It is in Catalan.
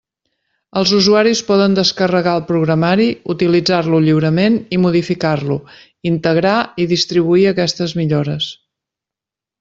Els usuaris poden descarregar el programari, utilitzar-lo lliurement i modificar-lo, integrar i distribuir aquestes millores.